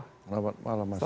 selamat malam mas riza